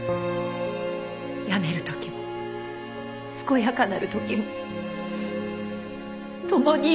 病める時も健やかなる時も共に生きるって。